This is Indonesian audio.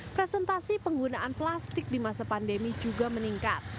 presentasi penggunaan plastik di masa pandemi juga meningkat